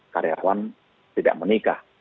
karyawan tidak menikah